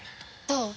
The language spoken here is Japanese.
どう？